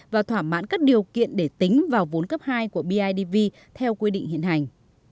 và thỏa mãn các điều kiện để tính vào vốn cấp hai của bidv theo quy định hiện hành